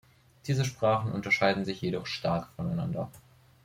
Diese Sprachen unterscheiden sich jedoch stark voneinander.